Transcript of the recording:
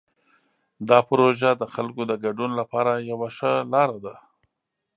دا پروژه د خلکو د ګډون لپاره یوه ښه لاره ده.